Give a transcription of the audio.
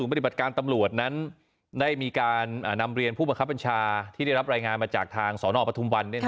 ปฏิบัติการตำรวจนั้นได้มีการนำเรียนผู้บังคับบัญชาที่ได้รับรายงานมาจากทางสนปทุมวัน